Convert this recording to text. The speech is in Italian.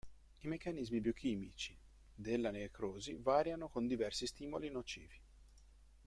I meccanismi biochimici della necrosi variano con diversi stimoli nocivi.